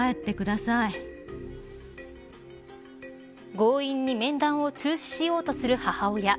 強引に面談を中止しようとする母親。